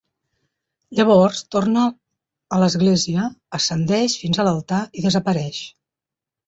Llavors, torna a l'església, ascendeix fins a l'altar i desapareix.